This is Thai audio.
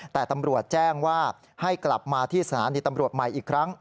แต่ตำรวจแจ้งว่าให้กลับมาที่สถานีตำรวจใหม่อีกครั้ง